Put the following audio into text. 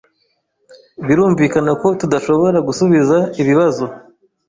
Birumvikana ko tudashobora gusubiza ibibazo